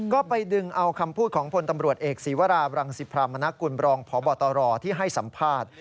ก็ไปดึงเอาคำพูดของพลตำรวจเอกศีวราบรังสิพรามณกุลบรองพบตรที่ให้สัมภาษณ์